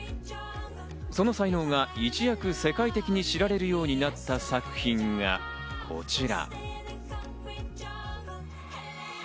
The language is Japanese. その才能一躍、世界的に知られるようになった作品がこちら。